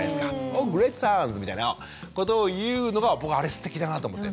オーグレートサウンズみたいなことを言うのが僕はあれすてきだなと思って。